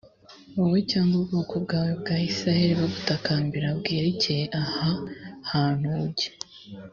wawe v cyangwa ubwoko bwawe bwa isirayeli bugutakambira bwerekeye aha hantu w ujye